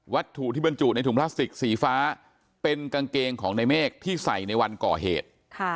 ถูกที่บรรจุในถุงพลาสติกสีฟ้าเป็นกางเกงของในเมฆที่ใส่ในวันก่อเหตุ